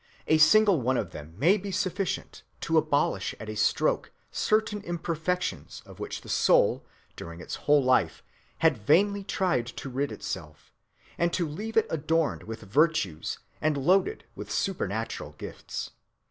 A single one of them may be sufficient to abolish at a stroke certain imperfections of which the soul during its whole life had vainly tried to rid itself, and to leave it adorned with virtues and loaded with supernatural gifts.